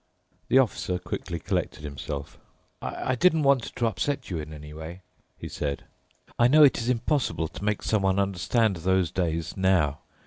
The Officer quickly collected himself. "I didn't want to upset you in any way," he said. "I know it is impossible to make someone understand those days now.